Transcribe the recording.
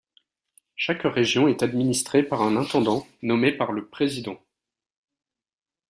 Chaque région est administrée par un intendant, nommé par le Président.